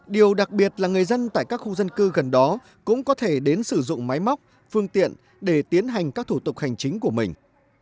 điều đặc biệt là người dân tại các khu dân cư gần đó cũng có thể đến sử dụng máy móc phương tiện để tiến hành các thủ tục hành chính của mình